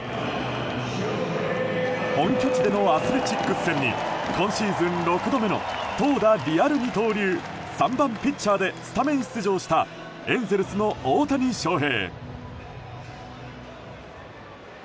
本拠地でのアスレチックス戦に今シーズン６度目の投打リアル二刀流３番ピッチャーでスタメン出場したエンゼルスの大谷翔平。